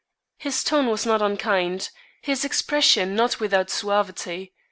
His tone was not unkind, his expression not without suavity.